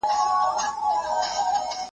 دا تاريخ دمېړنيو ,